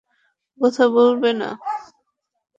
ও কথা বলবে না।